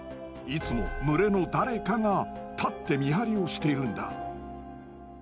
いつも群れの誰かが立って見張りをしているんだ。